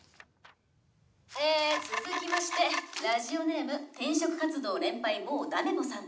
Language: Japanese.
「ええ続きましてラジオネーム“転職活動連敗もうダメぽ”さん」